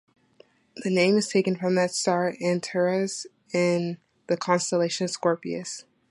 The name is taken from the star Antares in the constellation Scorpius.